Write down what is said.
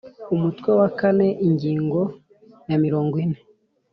Umutwe wa kane ingingo ya mirongo ine